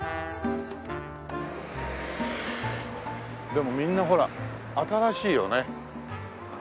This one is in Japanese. でもみんなほら新しいよね。